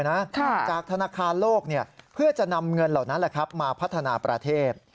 จากธนาคารโลกเพื่อจะนำเงินเหล่านั้นมาพัฒนาประเทศ